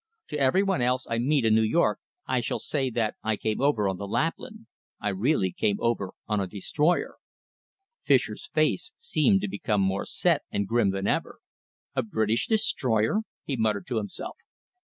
To every one else I meet in New York, I shall say that I came over on the Lapland. I really came over on a destroyer." Fischer's face seemed to become more set and grim than ever. "A British destroyer," he muttered to himself.